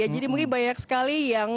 jadi mungkin banyak sekali yang